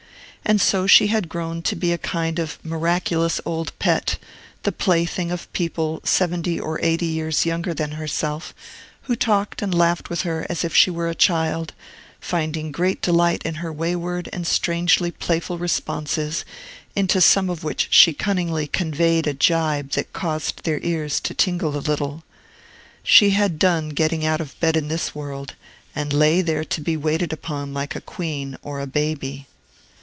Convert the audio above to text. And so she had grown to be a kind of miraculous old pet, the plaything of people seventy or eighty years younger than herself, who talked and laughed with her as if she were a child, finding great delight in her wayward and strangely playful responses, into some of which she cunningly conveyed a gibe that caused their ears to tingle a little. She had done getting out of bed in this world, and lay there to be waited upon like a queen or a baby.